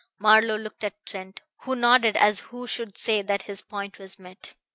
Marlowe looked at Trent, who nodded as who should say that his point was met.